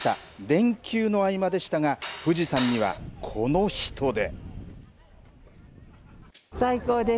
連休の合間でしたが、富士山にはこの人出。